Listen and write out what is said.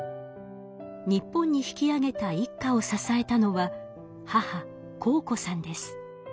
日本に引き揚げた一家を支えたのは母幸子さんです。